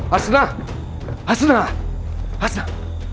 hasnah hasnah hasnah